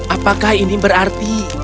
apakah ini berarti